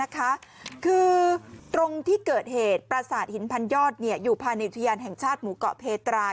คือตรงที่เกิดเหตุประสาทหินพันยอดอยู่ภายในอุทยานแห่งชาติหมู่เกาะเพตรา